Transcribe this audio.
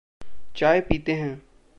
चाय पीते हैं।